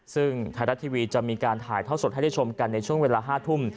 ซึ่งไทยรัฐทีวีจะมีการถ่ายท่อสดให้ได้ชมกันในช่วงเวลา๕ทุ่ม